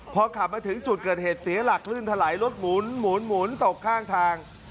พอขับมาถึงจุดเกิดเหตุเสียหลักลื่นถลายรถหมุนตกข้างทาง